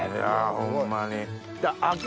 ホンマに。